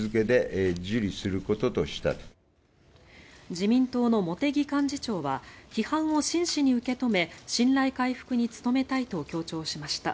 自民党の茂木幹事長は批判を真摯に受け止め信頼回復に努めたいと強調しました。